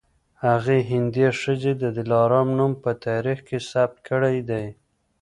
هغې هندۍ ښځې د دلارام نوم په تاریخ کي ثبت کړی دی